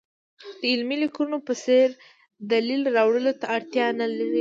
د علمي لیکنو په څېر دلیل راوړلو ته اړتیا نه لري.